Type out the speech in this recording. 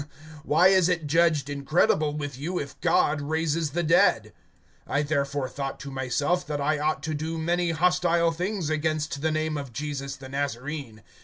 (8)Why is it judged incredible with you, if God, raises the dead? (9)I therefore thought to myself, that I ought to do many hostile things against the name of Jesus the Nazarene.